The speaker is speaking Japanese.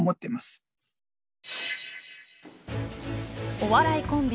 お笑いコンビ